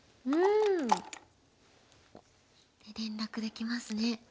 うん！連絡できますね。